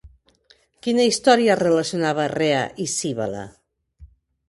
Quina història relacionava Rea i Cíbele?